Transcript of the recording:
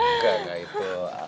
nggak nggak itu